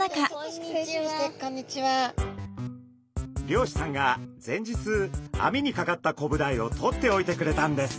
漁師さんが前日網にかかったコブダイを取っておいてくれたんです。